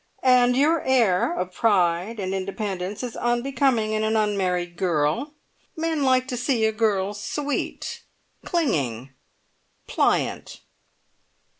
"and your air of pride and independence is unbecoming in an unmarried girl. Men like to see a girl sweet, clinging, pliant."